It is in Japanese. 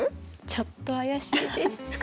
ちょっと怪しいです。